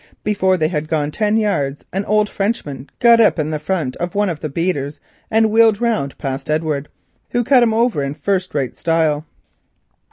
Before they had gone ten yards, an old Frenchman got up in the front of one of the beaters and wheeled round past Edward, who cut him over in first rate style.